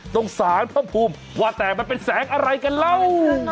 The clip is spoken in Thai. ตรงสารพระภูมิว่าแต่มันเป็นแสงอะไรกันแล้ว